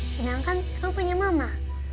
sedangkan kamu punya mama